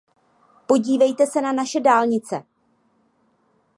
Podívejte se na naše dálnice!